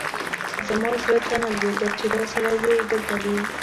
زما زړه ته نه لوېدل چې دا سړی دې دلته وي.